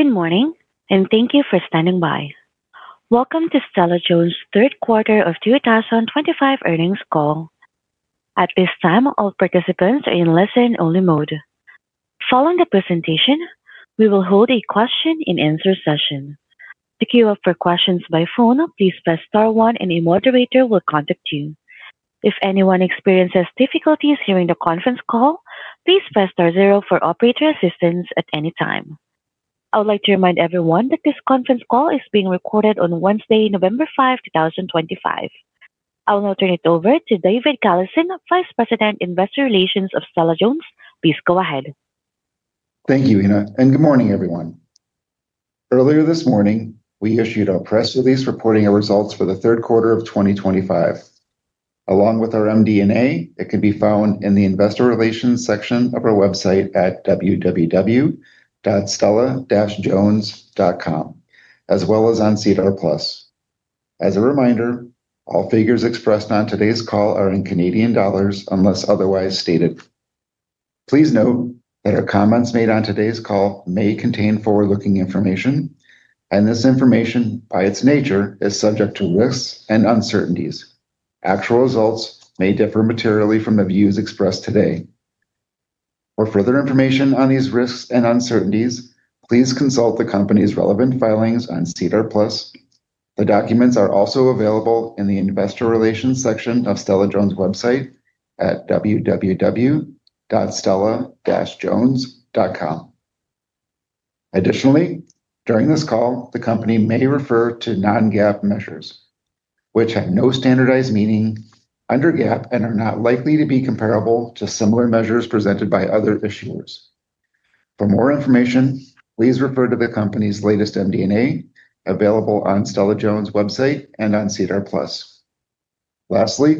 Good morning, and thank you for standing by. Welcome to Stella-Jones' third quarter of 2025 earnings call. At this time, all participants are in listen-only mode. Following the presentation, we will hold a question-and-answer session. To queue up for questions by phone, please press star one, and a moderator will contact you. If anyone experiences difficulties hearing the conference call, please press star zero for operator assistance at any time. I would like to remind everyone that this conference call is being recorded on Wednesday, November 5, 2025. I will now turn it over to David Galison, Vice President, Investor Relations of Stella-Jones. Please go ahead. Thank you, Ina, and good morning, everyone. Earlier this morning, we issued a press release reporting our results for the third quarter of 2025. Along with our MD&A, it can be found in the Investor Relations section of our website at www.stella-jones.com, as well as on SEDAR+. As a reminder, all figures expressed on today's call are in CAD unless otherwise stated. Please note that our comments made on today's call may contain forward-looking information, and this information, by its nature, is subject to risks and uncertainties. Actual results may differ materially from the views expressed today. For further information on these risks and uncertainties, please consult the company's relevant filings on SEDAR+. The documents are also available in the Investor Relations section of Stella-Jones' website at www.stella-jones.com. Additionally, during this call, the company may refer to non-GAAP measures, which have no standardized meaning under GAAP and are not likely to be comparable to similar measures presented by other issuers. For more information, please refer to the company's latest MD&A available on Stella-Jones' website and on SEDAR+. Lastly,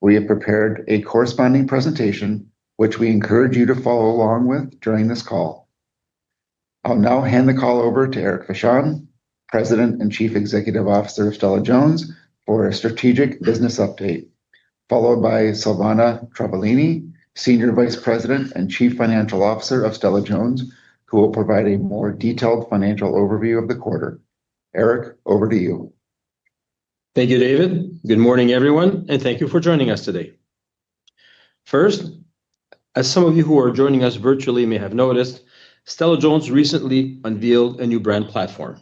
we have prepared a corresponding presentation, which we encourage you to follow along with during this call. I'll now hand the call over to Éric Vachon, President and Chief Executive Officer of Stella-Jones, for a strategic business update, followed by Silvana Travaglini, Senior Vice President and Chief Financial Officer of Stella-Jones, who will provide a more detailed financial overview of the quarter. Éric, over to you. Thank you, David. Good morning, everyone, and thank you for joining us today. First. As some of you who are joining us virtually may have noticed, Stella-Jones recently unveiled a new brand platform.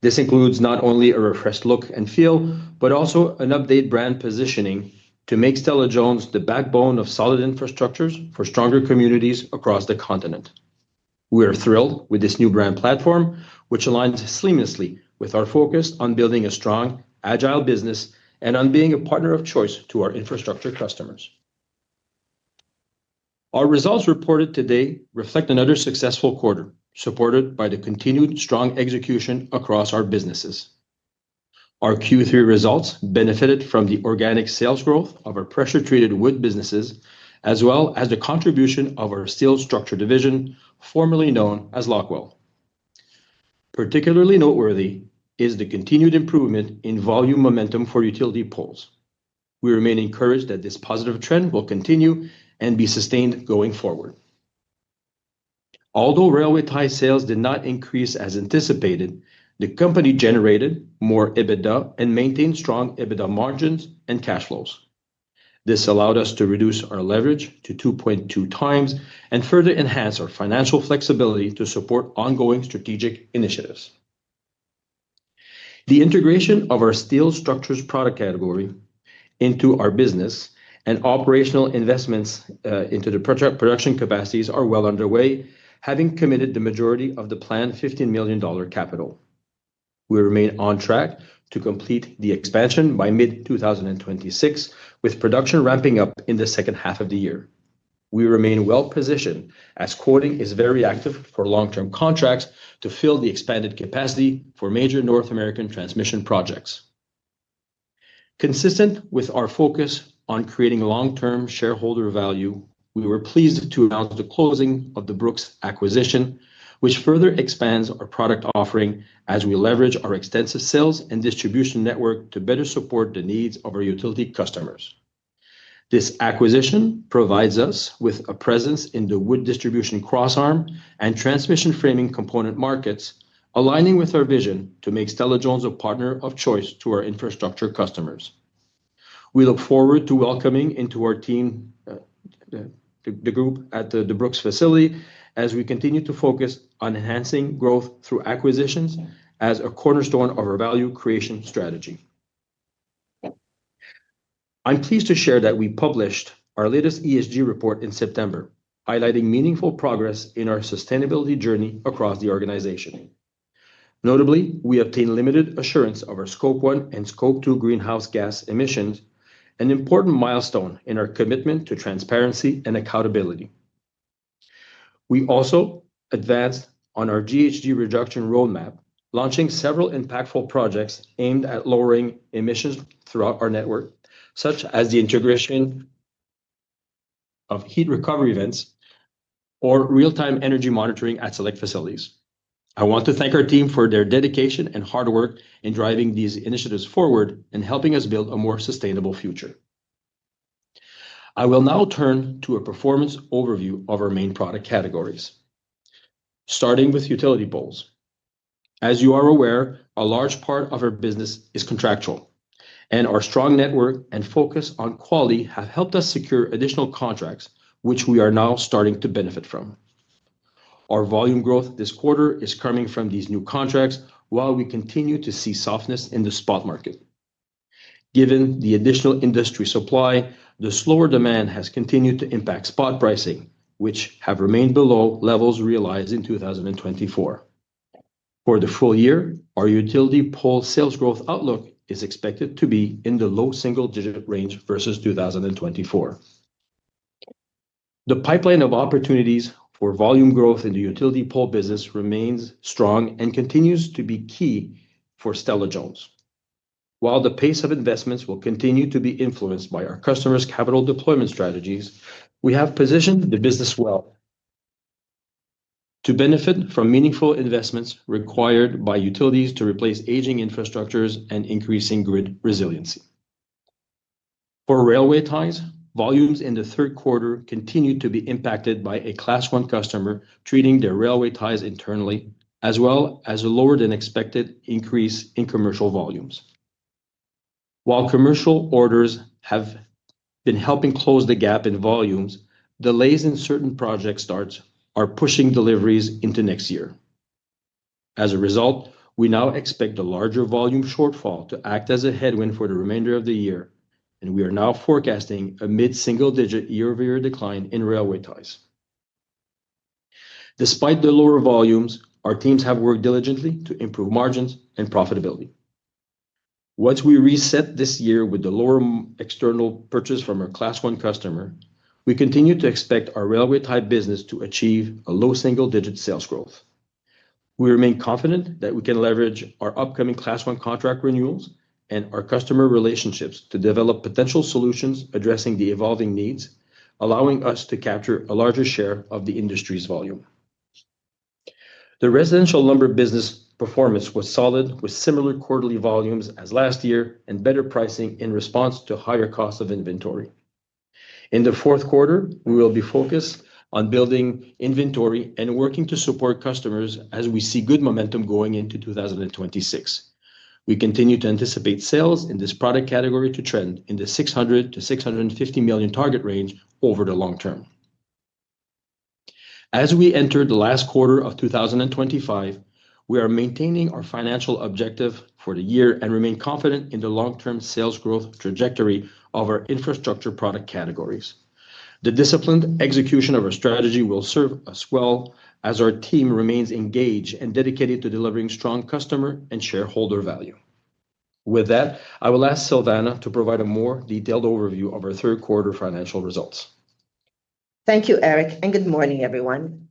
This includes not only a refreshed look and feel but also an updated brand positioning to make Stella-Jones the backbone of solid infrastructures for stronger communities across the continent. We are thrilled with this new brand platform, which aligns seamlessly with our focus on building a strong, agile business and on being a partner of choice to our infrastructure customers. Our results reported today reflect another successful quarter, supported by the continued strong execution across our businesses. Our Q3 results benefited from the organic sales growth of our pressure-treated wood businesses, as well as the contribution of our steel structure division, formerly known as Lockwell. Particularly noteworthy is the continued improvement in volume momentum for utility poles. We remain encouraged that this positive trend will continue and be sustained going forward. Although railway tie sales did not increase as anticipated, the company generated more EBITDA and maintained strong EBITDA margins and cash flows. This allowed us to reduce our leverage to 2.2x and further enhance our financial flexibility to support ongoing strategic initiatives. The integration of our steel structures product category into our business and operational investments into the production capacities are well underway, having committed the majority of the planned $15 million capital. We remain on track to complete the expansion by mid-2026, with production ramping up in the second half of the year. We remain well-positioned as quoting is very active for long-term contracts to fill the expanded capacity for major North American transmission projects. Consistent with our focus on creating long-term shareholder value, we were pleased to announce the closing of the Brooks acquisition, which further expands our product offering as we leverage our extensive sales and distribution network to better support the needs of our utility customers. This acquisition provides us with a presence in the wood distribution crossarm and transmission framing component markets, aligning with our vision to make Stella-Jones a partner of choice to our infrastructure customers. We look forward to welcoming into our team the group at the Brooks facility as we continue to focus on enhancing growth through acquisitions as a cornerstone of our value creation strategy. I'm pleased to share that we published our latest ESG report in September, highlighting meaningful progress in our sustainability journey across the organization. Notably, we obtained limited assurance of our Scope 1 and Scope 2 greenhouse gas emissions, an important milestone in our commitment to transparency and accountability. We also advanced on our GHG reduction roadmap, launching several impactful projects aimed at lowering emissions throughout our network, such as the integration of heat recovery events or real-time energy monitoring at select facilities. I want to thank our team for their dedication and hard work in driving these initiatives forward and helping us build a more sustainable future. I will now turn to a performance overview of our main product categories. Starting with utility poles. As you are aware, a large part of our business is contractual, and our strong network and focus on quality have helped us secure additional contracts, which we are now starting to benefit from. Our volume growth this quarter is coming from these new contracts, while we continue to see softness in the spot market. Given the additional industry supply, the slower demand has continued to impact spot pricing, which has remained below levels realized in 2024. For the full year, our utility pole sales growth outlook is expected to be in the low single-digit range versus 2024. The pipeline of opportunities for volume growth in the utility pole business remains strong and continues to be key for Stella-Jones. While the pace of investments will continue to be influenced by our customers' capital deployment strategies, we have positioned the business well to benefit from meaningful investments required by utilities to replace aging infrastructures and increasing grid resiliency. For railway ties, volumes in the third quarter continued to be impacted by a Class 1 customer treating their railway ties internally, as well as a lower-than-expected increase in commercial volumes. While commercial orders have been helping close the gap in volumes, delays in certain project starts are pushing deliveries into next year. As a result, we now expect a larger volume shortfall to act as a headwind for the remainder of the year, and we are now forecasting a mid-single-digit year-over-year decline in railway ties. Despite the lower volumes, our teams have worked diligently to improve margins and profitability. Once we reset this year with the lower external purchase from our Class 1 customer, we continue to expect our railway tie business to achieve a low single-digit sales growth. We remain confident that we can leverage our upcoming Class 1 contract renewals and our customer relationships to develop potential solutions addressing the evolving needs, allowing us to capture a larger share of the industry's volume. The residential lumber business performance was solid, with similar quarterly volumes as last year and better pricing in response to higher costs of inventory. In the fourth quarter, we will be focused on building inventory and working to support customers as we see good momentum going into 2026. We continue to anticipate sales in this product category to trend in the $600 million-$650 million target range over the long term. As we enter the last quarter of 2025, we are maintaining our financial objective for the year and remain confident in the long-term sales growth trajectory of our infrastructure product categories. The disciplined execution of our strategy will serve us well as our team remains engaged and dedicated to delivering strong customer and shareholder value. With that, I will ask Silvana to provide a more detailed overview of our third-quarter financial results. Thank you, Éric, and good morning, everyone.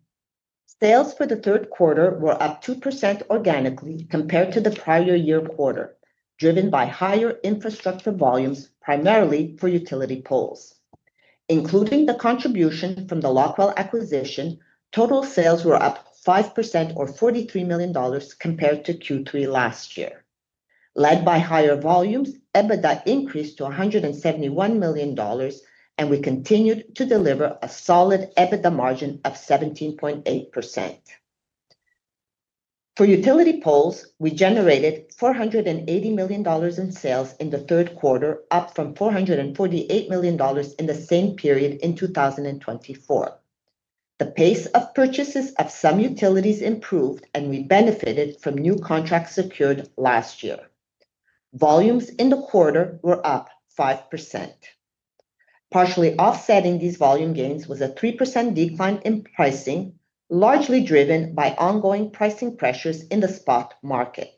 Sales for the third quarter were up 2% organically compared to the prior year quarter, driven by higher infrastructure volumes, primarily for utility poles. Including the contribution from the Lockwell acquisition, total sales were up 5%, or $43 million compared to Q3 last year. Led by higher volumes, EBITDA increased to $171 million, and we continued to deliver a solid EBITDA margin of 17.8%. For utility poles, we generated $480 million in sales in the third quarter, up from $448 million in the same period in 2024. The pace of purchases of some utilities improved, and we benefited from new contracts secured last year. Volumes in the quarter were up 5%. Partially offsetting these volume gains was a 3% decline in pricing, largely driven by ongoing pricing pressures in the spot market.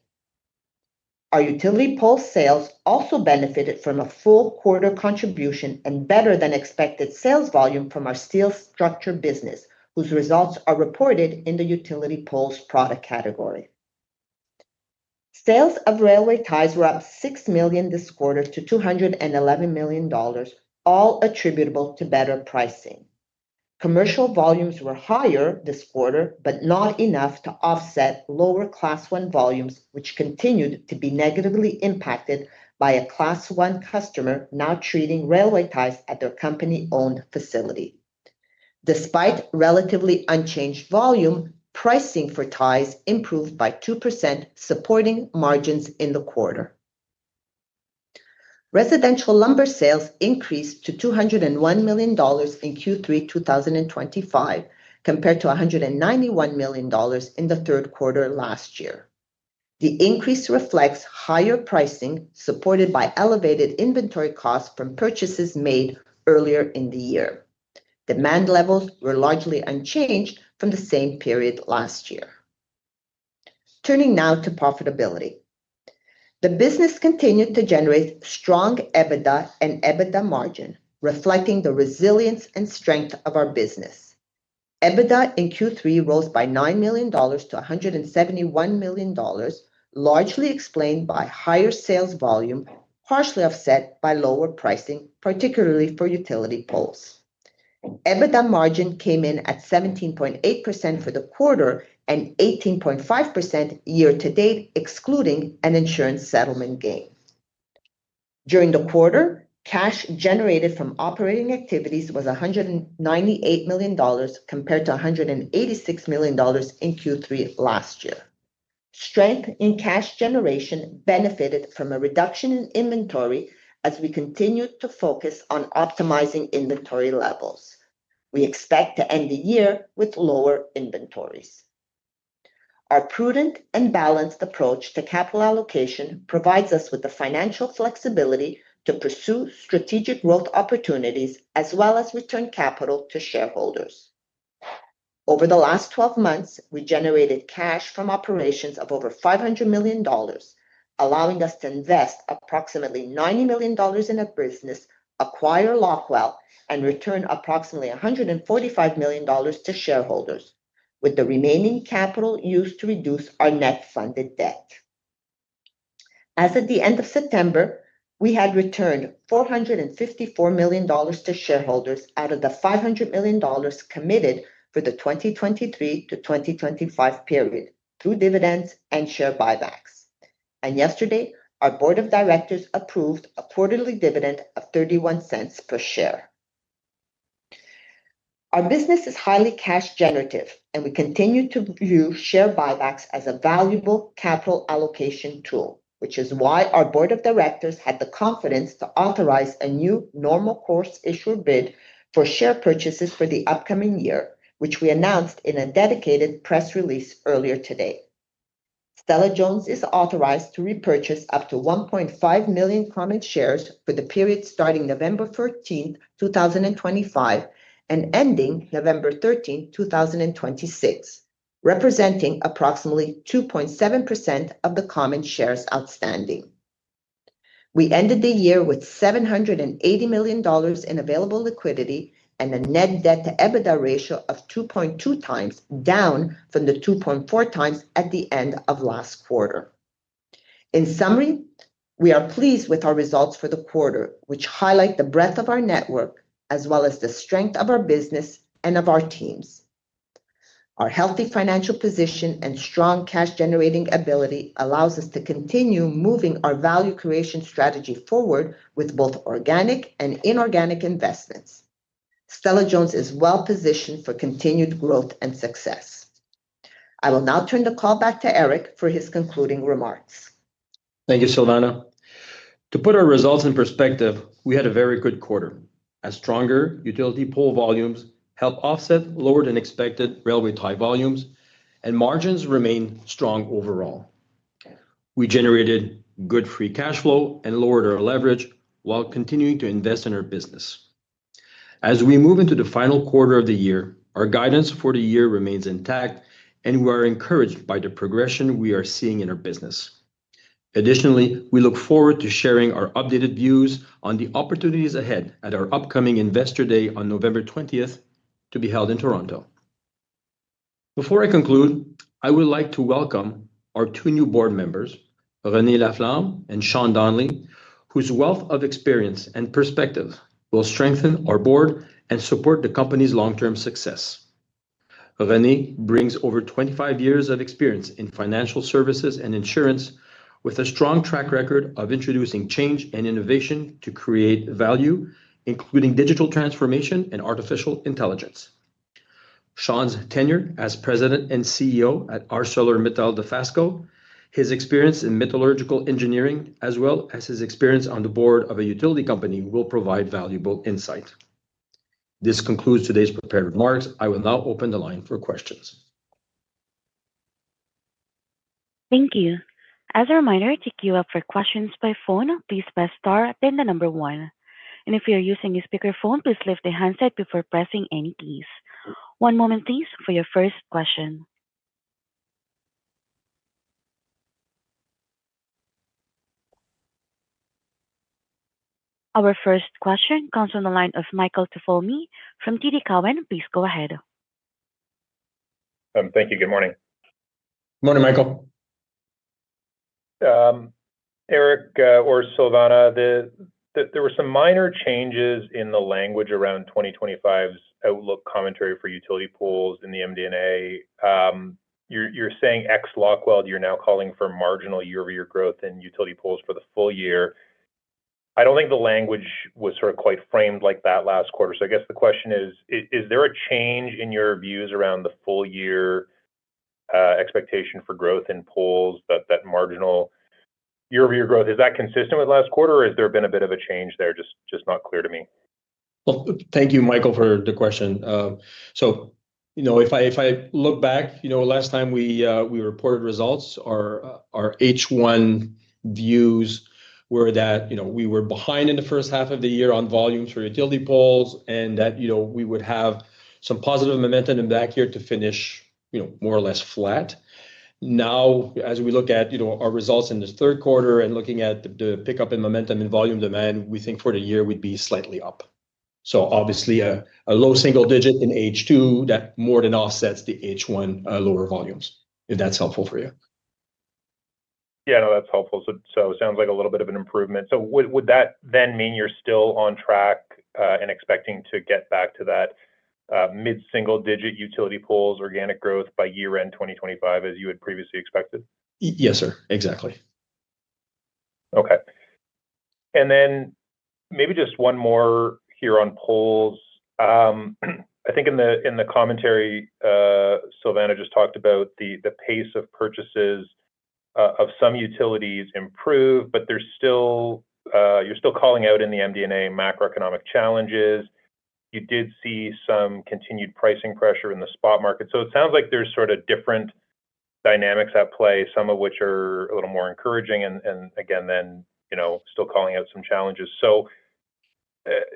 Our utility pole sales also benefited from a full quarter contribution and better-than-expected sales volume from our steel structure business, whose results are reported in the utility poles product category. Sales of railway ties were up $6 million this quarter to $211 million, all attributable to better pricing. Commercial volumes were higher this quarter, but not enough to offset lower Class 1 volumes, which continued to be negatively impacted by a Class 1 customer now treating railway ties at their company-owned facility. Despite relatively unchanged volume, pricing for ties improved by 2%, supporting margins in the quarter. Residential lumber sales increased to $201 million in Q3 2025 compared to $191 million in the third quarter last year. The increase reflects higher pricing supported by elevated inventory costs from purchases made earlier in the year. Demand levels were largely unchanged from the same period last year. Turning now to profitability. The business continued to generate strong EBITDA and EBITDA margin, reflecting the resilience and strength of our business. EBITDA in Q3 rose by $9 million to $171 million, largely explained by higher sales volume, partially offset by lower pricing, particularly for utility poles. EBITDA margin came in at 17.8% for the quarter and 18.5% year-to-date, excluding an insurance settlement gain. During the quarter, cash generated from operating activities was $198 million compared to $186 million in Q3 last year. Strength in cash generation benefited from a reduction in inventory as we continued to focus on optimizing inventory levels. We expect to end the year with lower inventories. Our prudent and balanced approach to capital allocation provides us with the financial flexibility to pursue strategic growth opportunities as well as return capital to shareholders. Over the last 12 months, we generated cash from operations of over $500 million, allowing us to invest approximately $90 million in our business, acquire Lockwell, and return approximately $145 million to shareholders, with the remaining capital used to reduce our net funded debt. As of the end of September, we had returned $454 million to shareholders out of the $500 million committed for the 2023-2025 period through dividends and share buybacks. Yesterday, our board of directors approved a quarterly dividend of $0.31 per share. Our business is highly cash-generative, and we continue to view share buybacks as a valuable capital allocation tool, which is why our board of directors had the confidence to authorize a new normal course issuer bid for share purchases for the upcoming year, which we announced in a dedicated press release earlier today. Stella-Jones is authorized to repurchase up to 1.5 million common shares for the period starting November 14, 2025, and ending November 13, 2026, representing approximately 2.7% of the common shares outstanding. We ended the year with $780 million in available liquidity and a net debt-to-EBITDA ratio of 2.2x, down from the 2.4x at the end of last quarter. In summary, we are pleased with our results for the quarter, which highlight the breadth of our network as well as the strength of our business and of our teams. Our healthy financial position and strong cash-generating ability allow us to continue moving our value creation strategy forward with both organic and inorganic investments. Stella-Jones is well-positioned for continued growth and success. I will now turn the call back to Éric for his concluding remarks. Thank you, Silvana. To put our results in perspective, we had a very good quarter, as stronger utility pole volumes helped offset lower-than-expected railway tie volumes, and margins remained strong overall. We generated good free cash flow and lowered our leverage while continuing to invest in our business. As we move into the final quarter of the year, our guidance for the year remains intact, and we are encouraged by the progression we are seeing in our business. Additionally, we look forward to sharing our updated views on the opportunities ahead at our upcoming Investor Day on November 20th to be held in Toronto. Before I conclude, I would like to welcome our two new board members, René Laflamme and Sean Donnelly, whose wealth of experience and perspective will strengthen our board and support the company's long-term success. René brings over 25 years of experience in financial services and insurance, with a strong track record of introducing change and innovation to create value, including digital transformation and artificial intelligence. Sean's tenure as President and CEO at ArcelorMittal Dofasco, his experience in metallurgical engineering, as well as his experience on the board of a utility company, will provide valuable insight. This concludes today's prepared remarks. I will now open the line for questions. Thank you. As a reminder to queue up for questions by phone, please press star then the number one. If you are using a speakerphone, please lift the handset before pressing any keys. One moment, please, for your first question. Our first question comes from the line of Michael Tupholme from TD Cowen. Please go ahead. Thank you. Good morning. Good morning, Michael. Éric, or Silvana, there were some minor changes in the language around 2025's outlook commentary for utility poles in the MD&A. You're saying ex-Lockwell, you're now calling for marginal year-over-year growth in utility poles for the full year. I don't think the language was sort of quite framed like that last quarter. I guess the question is, is there a change in your views around the full-year expectation for growth in poles, that marginal year-over-year growth? Is that consistent with last quarter, or has there been a bit of a change there? Just not clear to me. Thank you, Michael, for the question. If I look back, last time we reported results, our H1 views were that we were behind in the first half of the year on volumes for utility poles and that we would have some positive momentum in that year to finish more or less flat. Now, as we look at our results in the third quarter and looking at the pickup in momentum in volume demand, we think for the year we'd be slightly up. Obviously, a low single digit in H2, that more than offsets the H1 lower volumes, if that's helpful for you. Yeah, no, that's helpful. It sounds like a little bit of an improvement. Would that then mean you're still on track and expecting to get back to that mid-single-digit utility poles organic growth by year-end 2025, as you had previously expected? Yes, sir. Exactly. Okay. And then maybe just one more here on poles. I think in the commentary, Silvana just talked about the pace of purchases of some utilities improved, but you're still calling out in the MD&A macroeconomic challenges. You did see some continued pricing pressure in the spot market. It sounds like there are sort of different dynamics at play, some of which are a little more encouraging, and again, still calling out some challenges.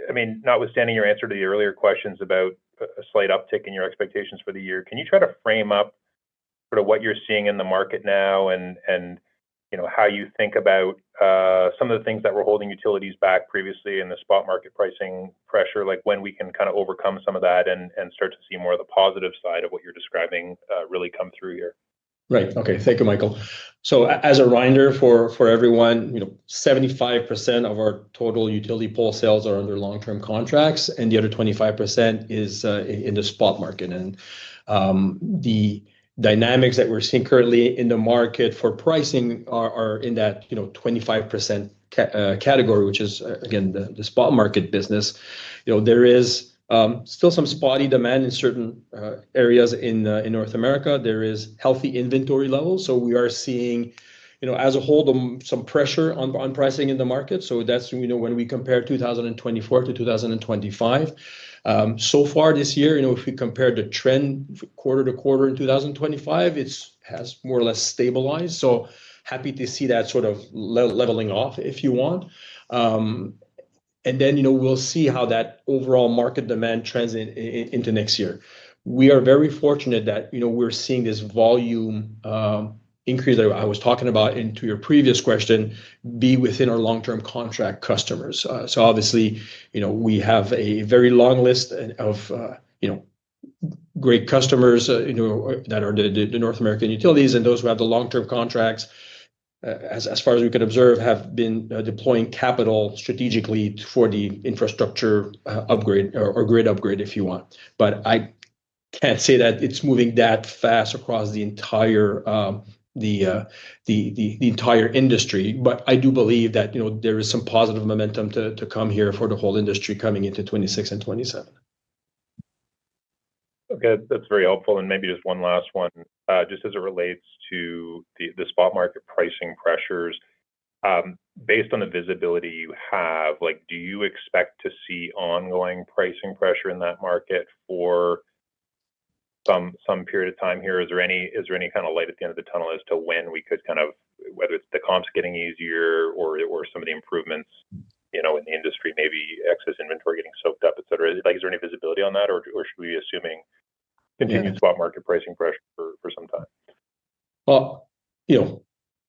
I mean, notwithstanding your answer to the earlier questions about a slight uptick in your expectations for the year, can you try to frame up what you're seeing in the market now and how you think about. Some of the things that were holding utilities back previously in the spot market pricing pressure, like when we can kind of overcome some of that and start to see more of the positive side of what you're describing really come through here? Right. Okay. Thank you, Michael. As a reminder for everyone, 75% of our total utility pole sales are under long-term contracts, and the other 25% is in the spot market. The dynamics that we're seeing currently in the market for pricing are in that 25% category, which is, again, the spot market business. There is still some spotty demand in certain areas in North America. There are healthy inventory levels. We are seeing, as a whole, some pressure on pricing in the market. When we compare 2024-2025, so far this year, if we compare the trend quarter to quarter in 2025, it has more or less stabilized. Happy to see that sort of leveling off, if you want. We will see how that overall market demand trends into next year. We are very fortunate that we're seeing this volume. Increase that I was talking about in your previous question be within our long-term contract customers. Obviously, we have a very long list of great customers that are the North American utilities, and those who have the long-term contracts. As far as we can observe, have been deploying capital strategically for the infrastructure upgrade or grid upgrade, if you want. I cannot say that it is moving that fast across the entire industry. I do believe that there is some positive momentum to come here for the whole industry coming into 2026 and 2027. Okay. That's very helpful. Maybe just one last one, just as it relates to the spot market pricing pressures. Based on the visibility you have, do you expect to see ongoing pricing pressure in that market for some period of time here? Is there any kind of light at the end of the tunnel as to when we could kind of, whether it's the comps getting easier or some of the improvements in the industry, maybe excess inventory getting soaked up, etc.? Is there any visibility on that, or should we be assuming continued spot market pricing pressure for some time?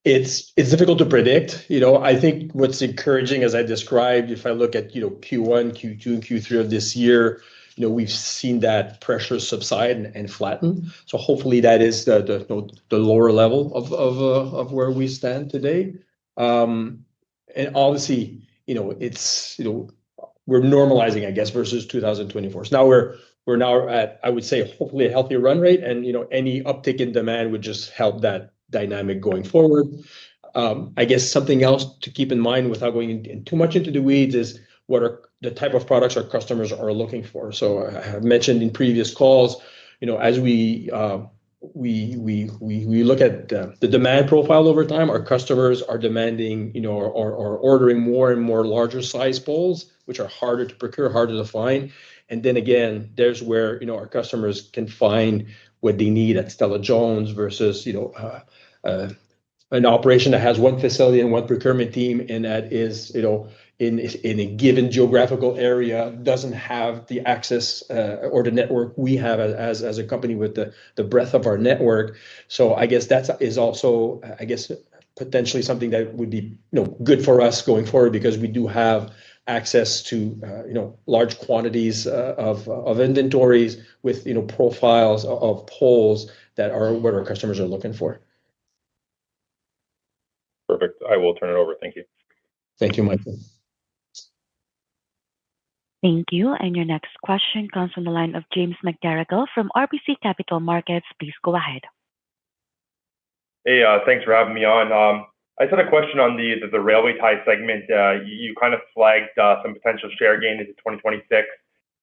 It is difficult to predict. I think what is encouraging, as I described, if I look at Q1, Q2, and Q3 of this year, we have seen that pressure subside and flatten. Hopefully, that is the lower level of where we stand today. Obviously, we are normalizing, I guess, versus 2024. Now we are at, I would say, hopefully, a healthy run rate, and any uptick in demand would just help that dynamic going forward. I guess something else to keep in mind without going too much into the weeds is what are the type of products our customers are looking for. I have mentioned in previous calls, as we look at the demand profile over time, our customers are demanding or ordering more and more larger-sized poles, which are harder to procure, harder to find. There is where our customers can find what they need at Stella-Jones versus an operation that has one facility and one procurement team, and that is in a given geographical area, does not have the access or the network we have as a company with the breadth of our network. I guess that is also, I guess, potentially something that would be good for us going forward because we do have access to large quantities of inventories with profiles of poles that are what our customers are looking for. Perfect. I will turn it over. Thank you. Thank you, Michael. Thank you. Your next question comes from the line of James McGarrigle from RBC Capital Markets. Please go ahead. Hey, thanks for having me on. I had a question on the railway tie segment. You kind of flagged some potential share gain into 2026.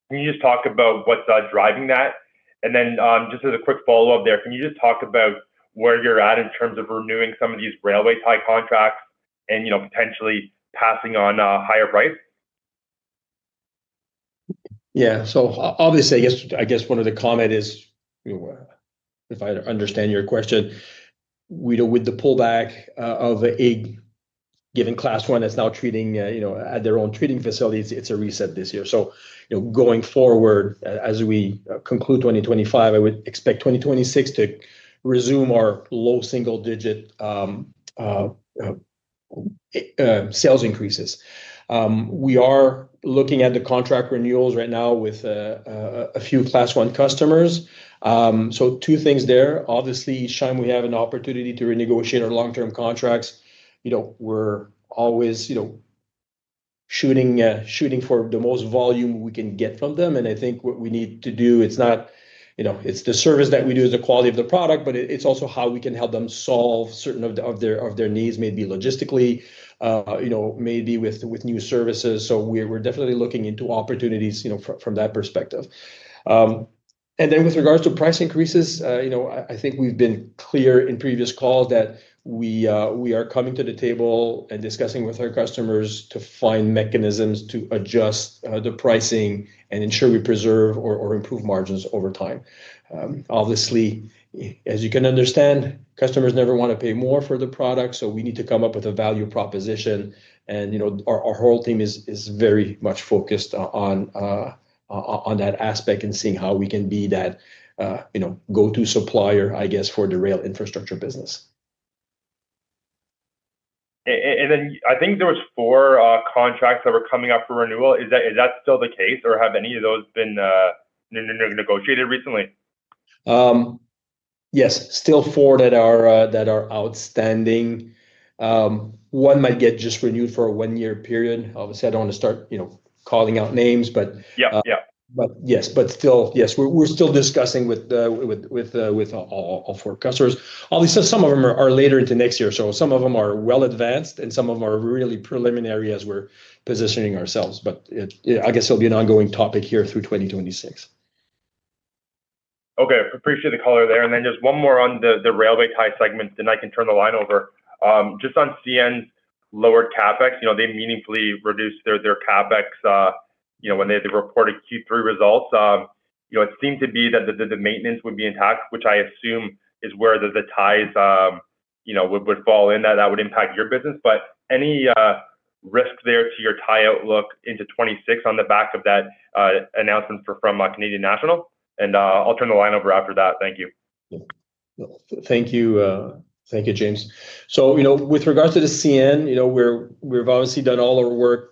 Can you just talk about what's driving that? As a quick follow-up there, can you just talk about where you're at in terms of renewing some of these railway tie contracts and potentially passing on a higher price? Yeah. Obviously, I guess one of the comments is, if I understand your question, with the pullback of a given class one that is now at their own trading facilities, it is a reset this year. Going forward, as we conclude 2025, I would expect 2026 to resume our low single-digit sales increases. We are looking at the contract renewals right now with a few class one customers. Two things there. Obviously, Sean, we have an opportunity to renegotiate our long-term contracts. We are always shooting for the most volume we can get from them. I think what we need to do, it is not the service that we do, it is the quality of the product, but it is also how we can help them solve certain of their needs, maybe logistically, maybe with new services. We are definitely looking into opportunities from that perspective. With regards to price increases, I think we've been clear in previous calls that we are coming to the table and discussing with our customers to find mechanisms to adjust the pricing and ensure we preserve or improve margins over time. Obviously, as you can understand, customers never want to pay more for the product, so we need to come up with a value proposition. Our whole team is very much focused on that aspect and seeing how we can be that go-to supplier, I guess, for the rail infrastructure business. I think there were four contracts that were coming up for renewal. Is that still the case, or have any of those been negotiated recently? Yes. Still four that are outstanding. One might get just renewed for a one-year period. Obviously, I do not want to start calling out names, but. Yeah. Yeah. Yes. Yes, we're still discussing with all four customers. Obviously, some of them are later into next year. Some of them are well advanced, and some of them are really preliminary as we're positioning ourselves. I guess it'll be an ongoing topic here through 2026. Okay. Appreciate the color there. Just one more on the railway tie segment, then I can turn the line over. Just on CN's lowered CapEx, they meaningfully reduced their CapEx when they reported Q3 results. It seemed to be that the maintenance would be intact, which I assume is where the ties would fall in. That would impact your business. Any risk there to your tie outlook into 2026 on the back of that announcement from Canadian National? I'll turn the line over after that. Thank you. Thank you. Thank you, James. With regards to the CN, we've obviously done all our work.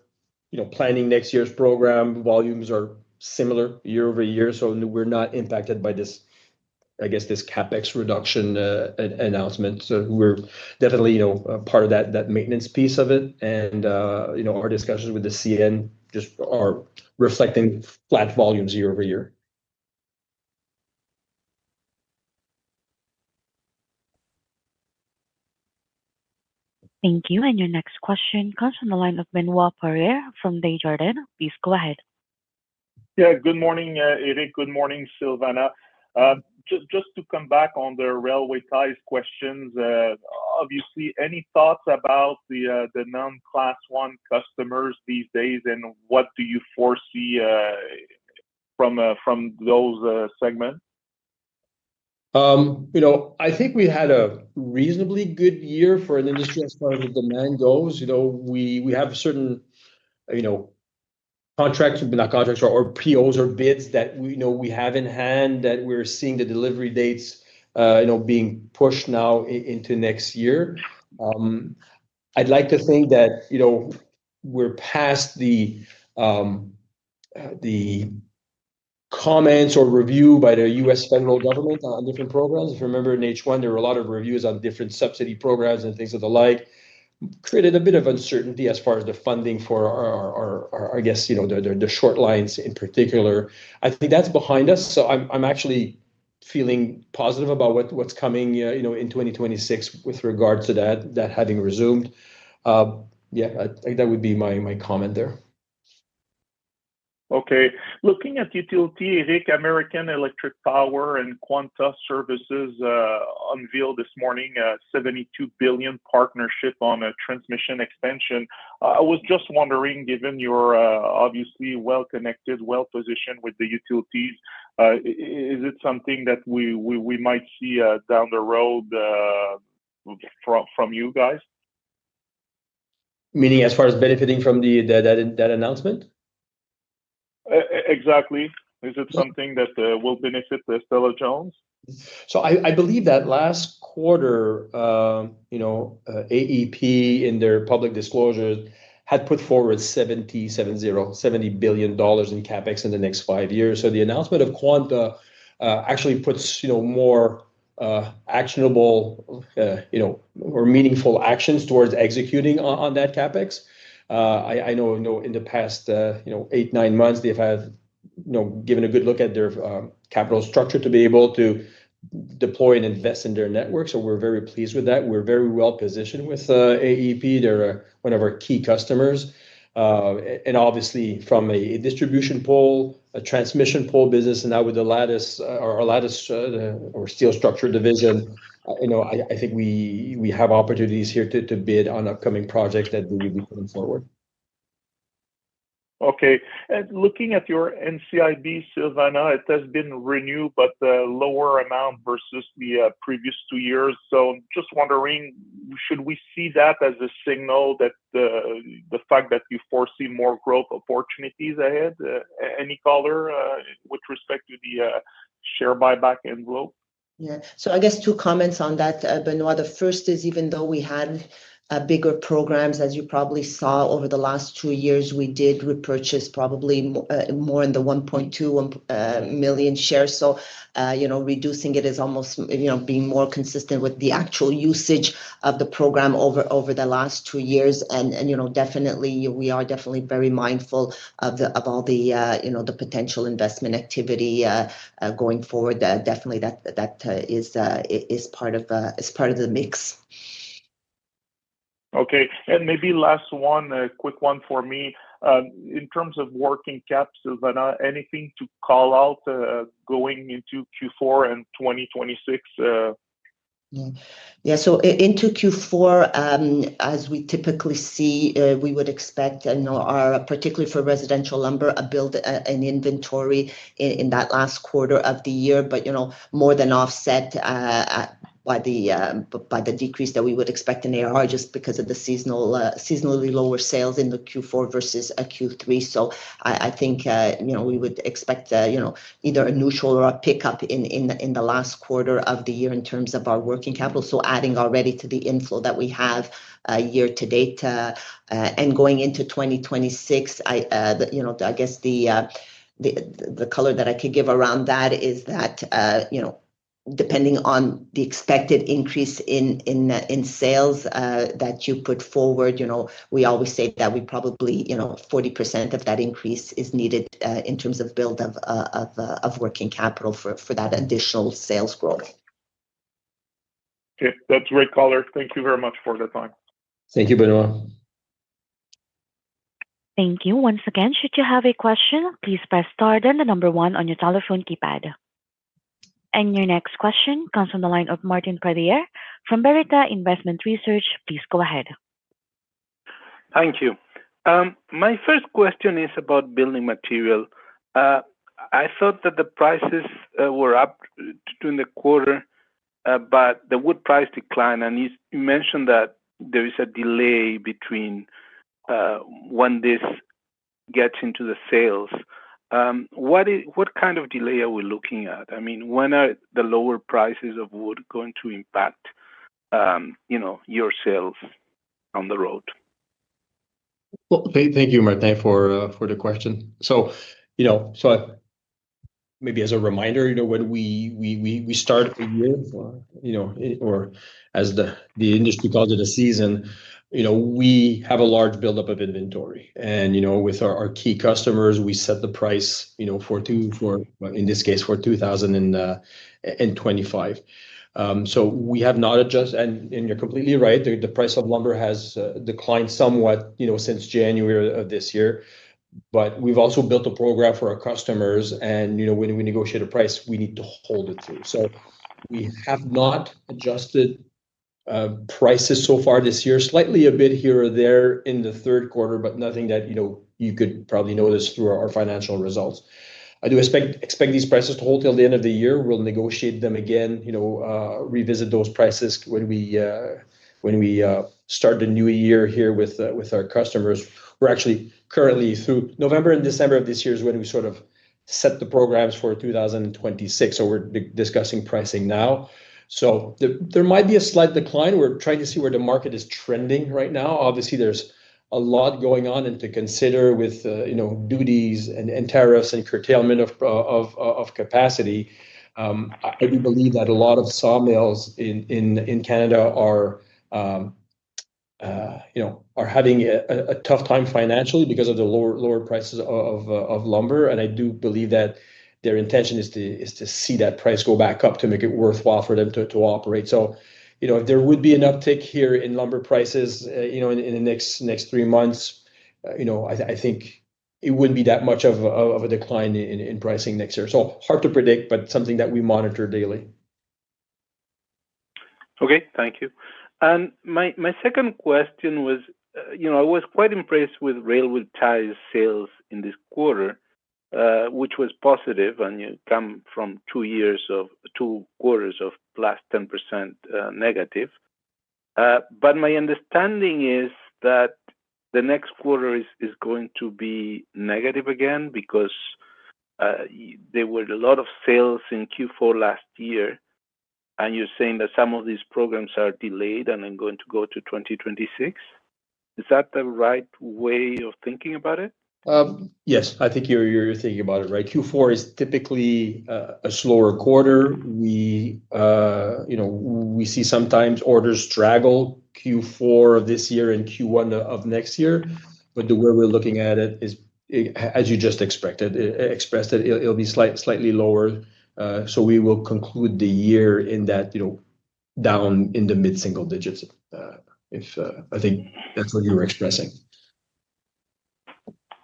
Planning next year's program, volumes are similar year over year. We're not impacted by, I guess, this CapEx reduction announcement. We're definitely part of that maintenance piece of it. Our discussions with the CN just are reflecting flat volumes year over year. Thank you. Your next question comes from the line of Benoît Bélanger from Desjardins. Please go ahead. Yeah. Good morning, Éric. Good morning, Silvana. Just to come back on the railway ties questions, obviously, any thoughts about the non-Class 1 customers these days, and what do you foresee from those segments? I think we had a reasonably good year for an industry as far as the demand goes. We have certain contracts, not contracts, or POs or bids that we have in hand that we're seeing the delivery dates being pushed now into next year. I'd like to think that we're past the comments or review by the U.S. federal government on different programs. If you remember, in H1, there were a lot of reviews on different subsidy programs and things of the like. Created a bit of uncertainty as far as the funding for, I guess, the short lines in particular. I think that's behind us. I am actually feeling positive about what's coming in 2026 with regards to that having resumed. Yeah, that would be my comment there. Okay. Looking at utility, Éric, American Electric Power and Quanta Services unveiled this morning a $72 billion partnership on a transmission extension. I was just wondering, given you're obviously well connected, well positioned with the utilities, is it something that we might see down the road from you guys? Meaning as far as benefiting from that announcement? Exactly. Is it something that will benefit Stella-Jones? I believe that last quarter, AEP in their public disclosure had put forward $70 billion in CapEx in the next five years. The announcement of Quanta actually puts more actionable or meaningful actions towards executing on that CapEx. I know in the past eight, nine months, they've had given a good look at their capital structure to be able to deploy and invest in their network. We're very pleased with that. We're very well positioned with AEP. They're one of our key customers. Obviously, from a distribution pole, a transmission pole business, and now with our lattice or steel structure division, I think we have opportunities here to bid on upcoming projects that we'll be putting forward. Okay. Looking at your NCIB, Silvana, it has been renewed, but the lower amount versus the previous two years. I am just wondering, should we see that as a signal that you foresee more growth opportunities ahead? Any color with respect to the share buyback envelope? Yeah. I guess two comments on that, Benoit. The first is, even though we had bigger programs, as you probably saw over the last two years, we did repurchase probably more in the 1.2 million shares. Reducing it is almost being more consistent with the actual usage of the program over the last two years. We are definitely very mindful of all the potential investment activity going forward. That is part of the mix. Okay. Maybe last one, a quick one for me. In terms of working caps, Silvana, anything to call out going into Q4 and 2026? Yeah. Into Q4, as we typically see, we would expect, particularly for residential lumber, a build in inventory in that last quarter of the year, but more than offset by the decrease that we would expect in ARR just because of the seasonally lower sales in Q4 versus Q3. I think we would expect either a neutral or a pickup in the last quarter of the year in terms of our working capital, adding already to the inflow that we have year to date. Going into 2026, I guess the color that I could give around that is that depending on the expected increase in sales that you put forward, we always say that probably 40% of that increase is needed in terms of build of working capital for that additional sales growth. Okay. That's a great color. Thank you very much for the time. Thank you, Benoit. Thank you. Once again, should you have a question, please press star then the number one on your telephone keypad. Your next question comes from the line of Martin Pradier from Veritas Investment Research. Please go ahead. Thank you. My first question is about building material. I thought that the prices were up during the quarter, but the wood price declined. You mentioned that there is a delay between when this gets into the sales. What kind of delay are we looking at? I mean, when are the lower prices of wood going to impact your sales on the road? Thank you, Martin, for the question. Maybe as a reminder, when we start the year, or as the industry calls it, a season, we have a large buildup of inventory. With our key customers, we set the price for, in this case, for 2025. We have not adjusted, and you're completely right, the price of lumber has declined somewhat since January of this year. We have also built a program for our customers, and when we negotiate a price, we need to hold it too. We have not adjusted prices so far this year, slightly a bit here or there in the third quarter, but nothing that you could probably notice through our financial results. I do expect these prices to hold till the end of the year. We will negotiate them again, revisit those prices when we start the new year here with our customers. We're actually currently through November and December of this year is when we sort of set the programs for 2026. We're discussing pricing now. There might be a slight decline. We're trying to see where the market is trending right now. Obviously, there's a lot going on to consider with duties and tariffs and curtailment of capacity. I do believe that a lot of sawmills in Canada are having a tough time financially because of the lower prices of lumber. I do believe that their intention is to see that price go back up to make it worthwhile for them to operate. If there would be an uptick here in lumber prices in the next three months, I think it would not be that much of a decline in pricing next year. Hard to predict, but something that we monitor daily. Okay. Thank you. My second question was, I was quite impressed with railway ties sales in this quarter, which was positive. You come from two quarters of last 10% negative. My understanding is that the next quarter is going to be negative again because there were a lot of sales in Q4 last year. You are saying that some of these programs are delayed and are going to go to 2026. Is that the right way of thinking about it? Yes. I think you're thinking about it right. Q4 is typically a slower quarter. We see sometimes orders straggle Q4 of this year and Q1 of next year. The way we're looking at it is, as you just expressed it, it'll be slightly lower. We will conclude the year in that, down in the mid-single digits. I think that's what you were expressing.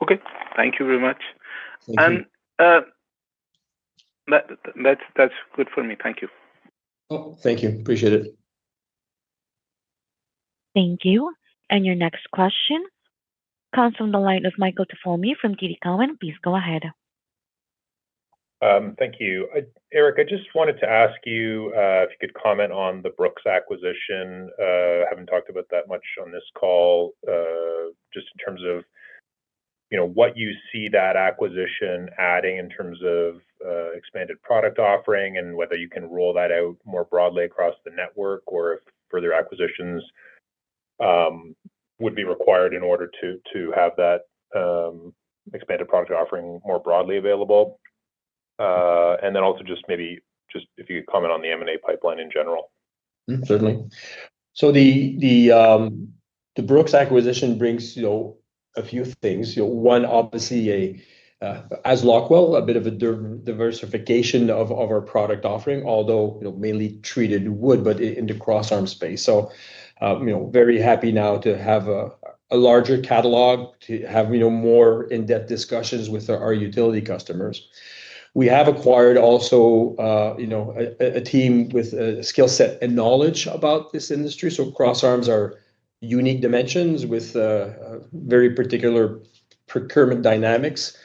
Okay. Thank you very much. That is good for me. Thank you. Thank you. Appreciate it. Thank you. Your next question comes from the line of Michael Tupholme. Please go ahead. Thank you. Éric, I just wanted to ask you if you could comment on the Brooks acquisition. Haven't talked about that much on this call. Just in terms of what you see that acquisition adding in terms of expanded product offering and whether you can roll that out more broadly across the network or if further acquisitions would be required in order to have that expanded product offering more broadly available. Also, maybe just if you could comment on the M&A pipeline in general. Certainly. The Brooks acquisition brings a few things. One, obviously, as Lockwell, a bit of a diversification of our product offering, although mainly treated wood, but in the crossarm space. Very happy now to have a larger catalog, to have more in-depth discussions with our utility customers. We have acquired also a team with skill set and knowledge about this industry. Crossarms are unique dimensions with very particular procurement dynamics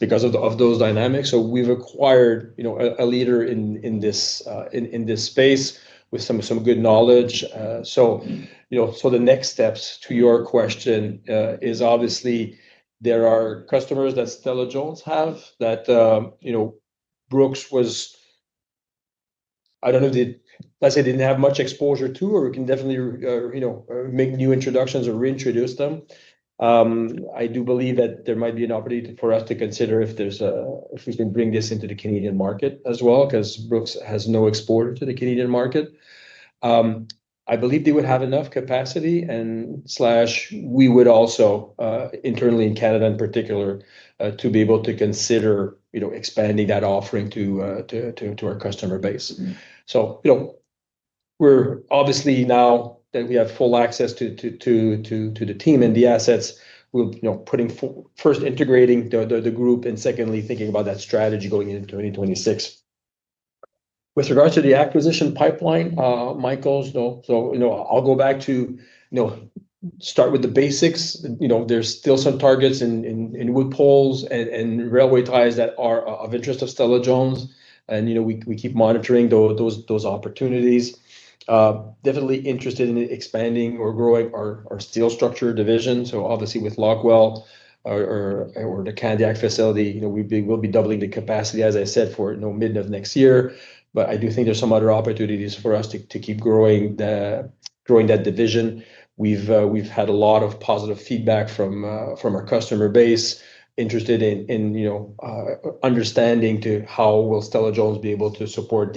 because of those dynamics. We have acquired a leader in this space with some good knowledge. The next steps to your question is obviously there are customers that Stella-Jones has that Brooks was, I do not know if they did not have much exposure to, or we can definitely make new introductions or reintroduce them. I do believe that there might be an opportunity for us to consider if we can bring this into the Canadian market as well because Brooks has no exporter to the Canadian market. I believe they would have enough capacity and. We would also, internally in Canada in particular, be able to consider expanding that offering to our customer base. We are obviously, now that we have full access to the team and the assets, putting first integrating the group and secondly thinking about that strategy going into 2026. With regards to the acquisition pipeline, Michael, I will go back to start with the basics. There are still some targets in wood poles and railway ties that are of interest to Stella-Jones, and we keep monitoring those opportunities. Definitely interested in expanding or growing our steel structure division, obviously with Lockwell. For the Candiac facility, we'll be doubling the capacity, as I said, for mid of next year. I do think there's some other opportunities for us to keep growing that division. We've had a lot of positive feedback from our customer base interested in understanding how will Stella-Jones be able to support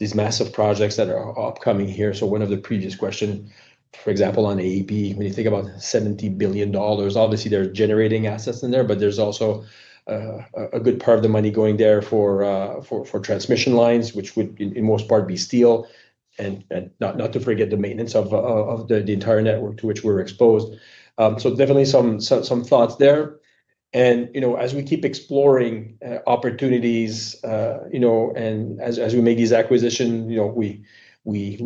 these massive projects that are upcoming here. One of the previous questions, for example, on AEP, when you think about $70 billion, obviously they're generating assets in there, but there's also a good part of the money going there for transmission lines, which would in most part be steel. Not to forget the maintenance of the entire network to which we're exposed. Definitely some thoughts there. As we keep exploring opportunities and as we make these acquisitions, we.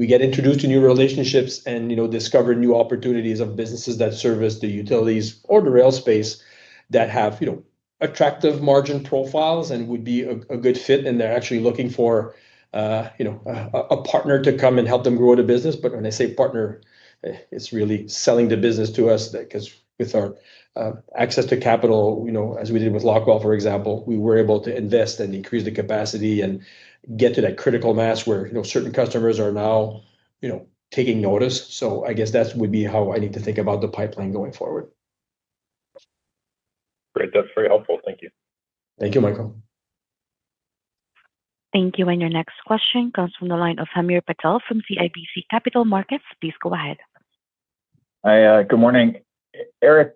Get introduced to new relationships and discover new opportunities of businesses that service the utilities or the rail space that have attractive margin profiles and would be a good fit. They are actually looking for a partner to come and help them grow the business. When I say partner, it is really selling the business to us because with our access to capital, as we did with Lockwell, for example, we were able to invest and increase the capacity and get to that critical mass where certain customers are now taking notice. I guess that would be how I need to think about the pipeline going forward. Great. That's very helpful. Thank you. Thank you, Michael. Thank you. Your next question comes from the line of Hamir Patel from CIBC Capital Markets. Please go ahead. Hi. Good morning. Éric,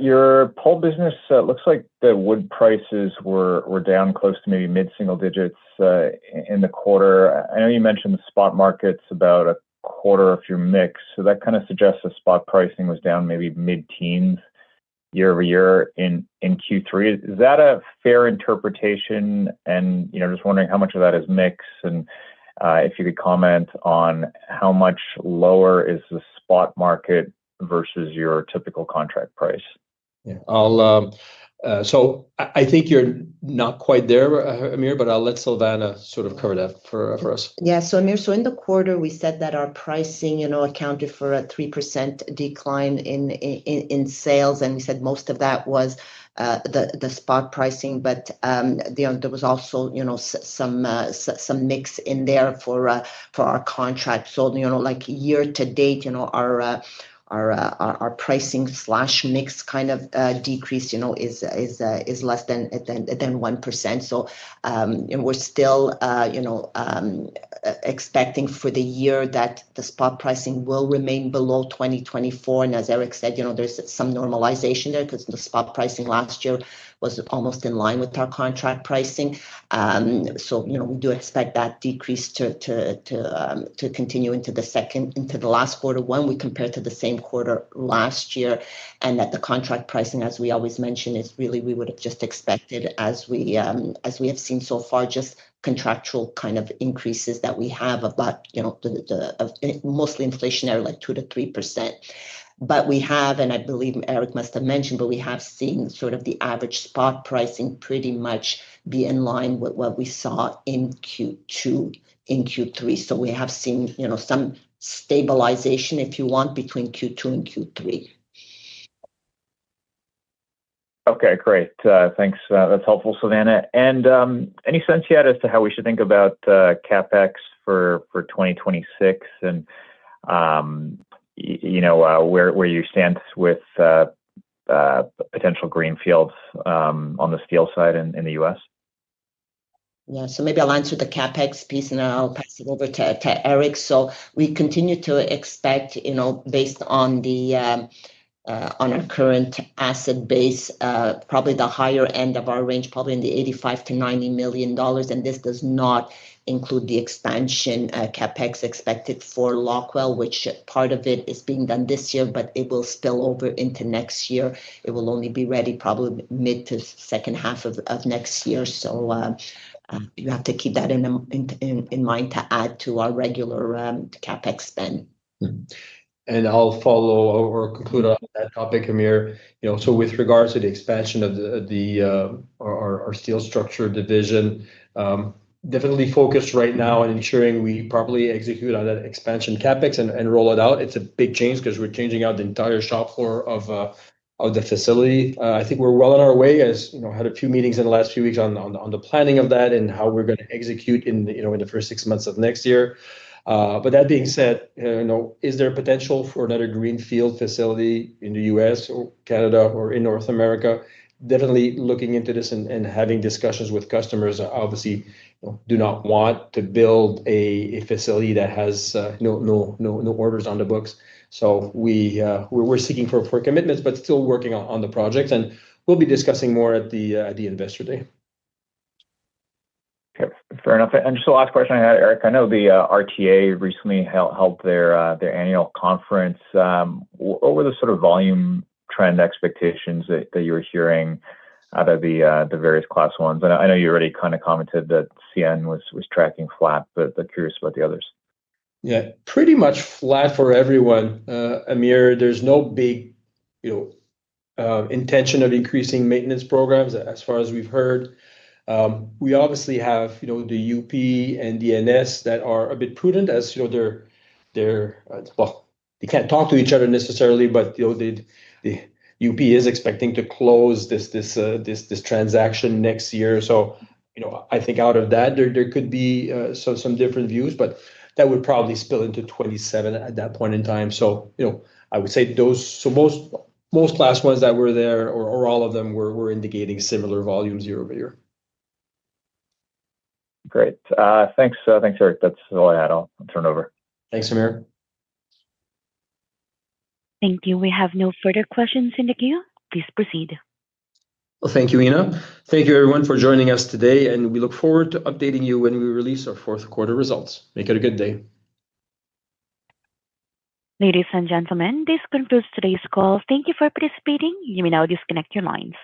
your pole business looks like the wood prices were down close to maybe mid-single digits in the quarter. I know you mentioned the spot market's about a quarter of your mix. That kind of suggests the spot pricing was down maybe mid-teens year over year in Q3. Is that a fair interpretation? Just wondering how much of that is mix and if you could comment on how much lower is the spot market versus your typical contract price. Yeah. I think you're not quite there, Hamir, but I'll let Silvana sort of cover that for us. Yeah. Hamir, in the quarter, we said that our pricing accounted for a 3% decline in sales. We said most of that was the spot pricing, but there was also some mix in there for our contract. Year to date, our pricing/mix kind of decrease is less than 1%. We are still expecting for the year that the spot pricing will remain below 2024. As Éric said, there is some normalization there because the spot pricing last year was almost in line with our contract pricing. We do expect that decrease to continue into the last quarter when we compare to the same quarter last year. The contract pricing, as we always mention, is really we would have just expected as we have seen so far, just contractual kind of increases that we have about. Mostly inflationary, like 2%-3%. We have, and I believe Éric must have mentioned, but we have seen sort of the average spot pricing pretty much be in line with what we saw in Q2, in Q3. We have seen some stabilization, if you want, between Q2 and Q3. Okay. Great. Thanks. That's helpful, Silvana. Any sense yet as to how we should think about CapEx for 2026 and where you stand with potential greenfields on the steel side in the U.S.? Yeah. So maybe I'll answer the CapEx piece, and I'll pass it over to Éric. We continue to expect, based on our current asset base, probably the higher end of our range, probably in the $85 million-$90 million. This does not include the expansion CapEx expected for Lockwell, which part of it is being done this year, but it will spill over into next year. It will only be ready probably mid to second half of next year. You have to keep that in mind to add to our regular CapEx spend. I'll follow or conclude on that topic, Hamir. With regards to the expansion of our steel structure division, definitely focused right now on ensuring we properly execute on that expansion CapEx and roll it out. It's a big change because we're changing out the entire shop floor of the facility. I think we're well on our way. I had a few meetings in the last few weeks on the planning of that and how we're going to execute in the first six months of next year. That being said, is there a potential for another greenfield facility in the U.S. or Canada or in North America? Definitely looking into this and having discussions with customers. Obviously, do not want to build a facility that has no orders on the books. We're seeking for commitments, but still working on the projects. We will be discussing more at the investor day. Fair enough. Just the last question I had, Éric. I know the RTA recently held their annual conference. What were the sort of volume trend expectations that you were hearing out of the various class ones? I know you already kind of commented that CN was tracking flat, but curious about the others. Yeah. Pretty much flat for everyone. Hamir, there's no big intention of increasing maintenance programs as far as we've heard. We obviously have the UP and DNS that are a bit prudent as they're, well, they can't talk to each other necessarily, but the UP is expecting to close this transaction next year. I think out of that, there could be some different views, but that would probably spill into 2027 at that point in time. I would say those most class ones that were there or all of them were indicating similar volumes year over year. Great. Thanks, Éric. That's all I had. I'll turn it over. Thanks, Hamir. Thank you. We have no further questions in the queue. Please proceed. Thank you, Ina. Thank you, everyone, for joining us today. We look forward to updating you when we release our fourth quarter results. Make it a good day. Ladies and gentlemen, this concludes today's call. Thank you for participating. You may now disconnect your lines.